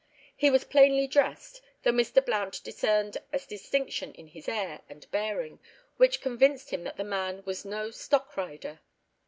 He was plainly dressed, though Mr. Blount discerned a distinction in his air and bearing which convinced him that the man was no stockrider.